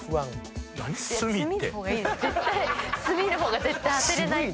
墨の方が絶対当てれないって。